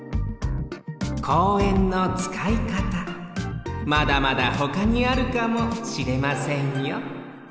公園のつかいかたまだまだほかにあるかもしれませんよ